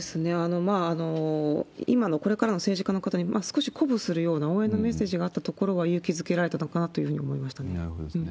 今のこれからの政治家の方に、少し鼓舞するような応援のメッセージがあったところは、勇気づけられたのかなと思いますね。